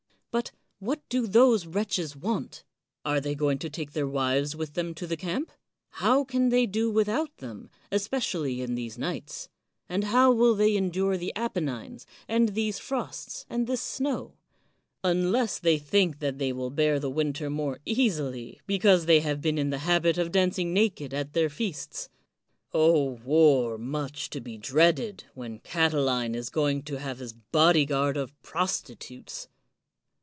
But what do those wretches want? Are they going to take their wives with them to the camp? How can they do without them^ especially in these nights? and how will they endure the Apennines, and these frosts, and this snow ? unless they think that they will bear the winter more easily because they have been in the habit of dancing naked at their feasts. O war much to be dreaded, when Catiline is going to have his bodyguard of prostitutes